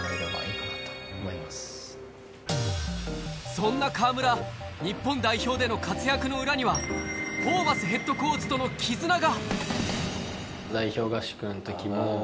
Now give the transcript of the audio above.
そんな河村、日本代表での活躍の裏にはホーバスＨＣとの絆が。